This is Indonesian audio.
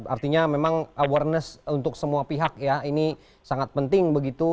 artinya memang awareness untuk semua pihak ya ini sangat penting begitu